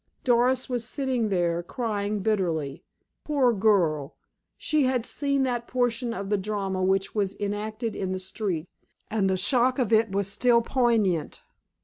Doris was sitting there, crying bitterly. Poor girl! She had seen that portion of the drama which was enacted in the street, and the shock of it was still poignant.